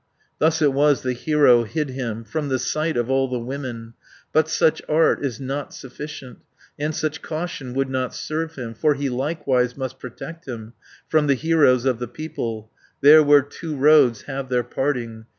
240 Thus it was the hero hid him From the sight of all the women, But such art is not sufficient, And such caution would not serve him, For he likewise must protect him From the heroes of the people, There where two roads have their parting.